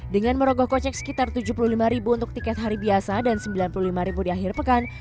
dengan merogoh kocek sekitar tujuh puluh lima untuk tiket hari biasa dan rp sembilan puluh lima di akhir pekan